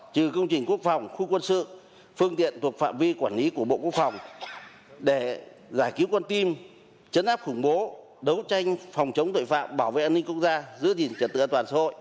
trừ công trình quốc phòng khu quân sự phương tiện thuộc phạm vi quản lý của bộ quốc phòng để giải cứu con tin chấn áp khủng bố đấu tranh phòng chống tội phạm bảo vệ an ninh quốc gia giữ gìn trật tự an toàn xã hội